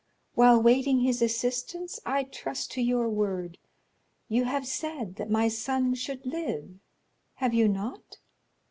While waiting his assistance I trust to your word; you have said that my son should live, have you not?"